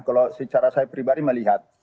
kalau secara saya pribadi melihat